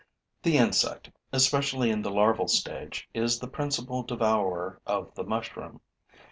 The insect, especially in the larval stage, is the principal devourer of the mushroom.